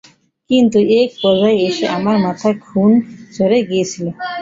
কিন্তু এক পর্যায়ে এসে আমার মাথায় খুন চড়ে গিয়েছিল।